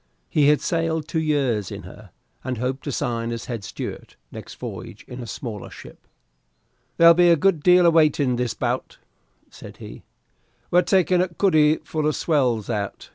He had sailed two years in her, and hoped to sign as head steward next voyage in a smaller ship. "There'll be a good deal of waiting this bout," said he; "we're taking a cuddy full of swells out.